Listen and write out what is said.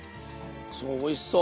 すごいおいしそう！